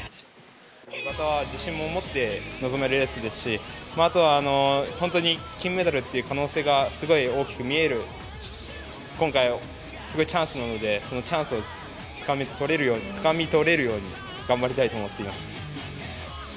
自信を持って臨めるレースですしあとは、本当に金メダルという可能性がすごく大きく見える今回、すごいチャンスなのでそのチャンスをつかみとれるように頑張りたいと思っています。